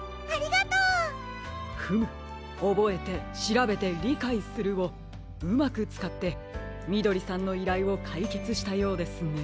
フム「おぼえてしらべてりかいする」をうまくつかってみどりさんのいらいをかいけつしたようですね。